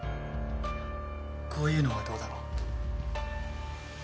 こういうのはどうだろう？